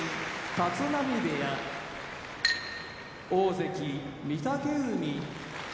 立浪部屋大関・御嶽海